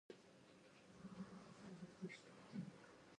Excess products are sometimes also given to foods banks.